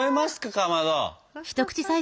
かまど。